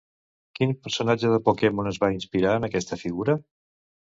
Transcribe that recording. Quin personatge de Pokémon es va inspirar en aquesta figura?